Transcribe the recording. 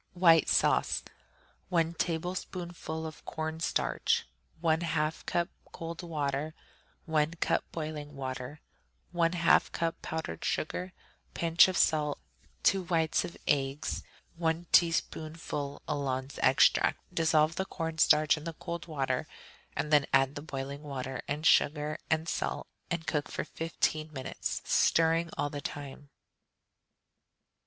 White Sauce 1 tablespoonful of corn starch. 1/2 cup cold water. 1 cup boiling water. 1/2 cup powdered sugar. Pinch of salt. 2 whites of eggs. 1 teaspoonful alons extract. Dissolve the corn starch in the cold water, and then add the boiling water and sugar and salt, and cook for fifteen minutes, stirring all the time.